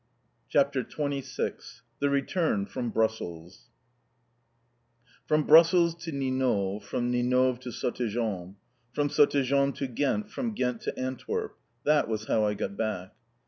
_" CHAPTER XXVI THE RETURN FROM BRUSSELS From Brussels to Ninove, from Ninove to Sottegem, from Sottegem to Ghent, from Ghent to Antwerp; that was how I got back!